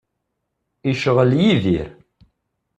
Icɣel Yidir.